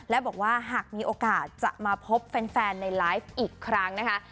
และบอกว่าหากมีโอกาสจะมาพบแฟนในไลฟ์อีกครั้งนะคะ